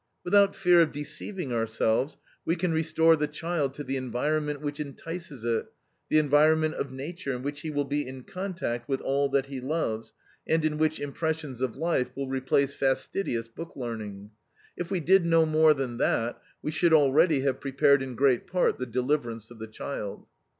Without fear of deceiving ourselves, we can restore the child to the environment which entices it, the environment of nature in which he will be in contact with all that he loves, and in which impressions of life will replace fastidious book learning. If we did no more than that, we should already have prepared in great part the deliverance of the child.